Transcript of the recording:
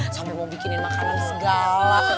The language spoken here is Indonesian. sambil mau bikinin makanan segala